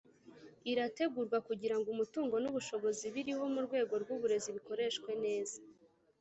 irategurwa kugirango umutungo n'ubushobozi biriho mu rwego rw'uburezi bikoreshwe neza.